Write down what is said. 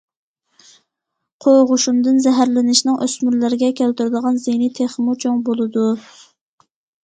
قوغۇشۇندىن زەھەرلىنىشنىڭ ئۆسمۈرلەرگە كەلتۈرىدىغان زىيىنى تېخىمۇ چوڭ بولىدۇ.